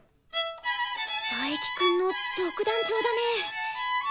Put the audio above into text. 佐伯くんの独壇場だね。